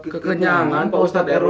kekenyangan pak ustad erwe